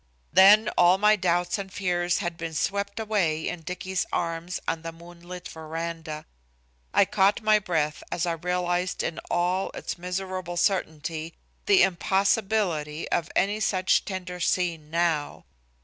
Then all my doubts and fears had been swept away in Dicky's arms on the moonlit veranda. I caught my breath as I realized in all its miserable certainty the impossibility of any such tender scene now.